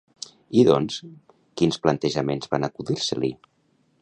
I doncs quins plantejaments van acudir-se-li?